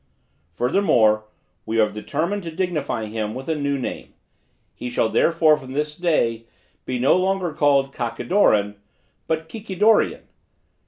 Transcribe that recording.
Furthermore, we have determined to dignify him with a new name; he shall therefore from this day, be no longer called Kakidoran, but Kikidorian.